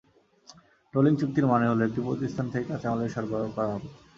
টোলিং চুক্তির মানে হলো, একটি প্রতিষ্ঠান থেকে কাঁচামাল সরবরাহ করা হবে।